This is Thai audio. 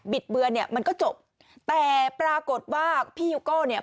เบือนเนี่ยมันก็จบแต่ปรากฏว่าพี่ฮิวโก้เนี่ย